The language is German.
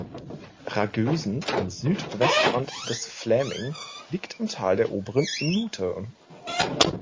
Ragösen am Südwestrand des Fläming liegt im Tal der oberen Nuthe.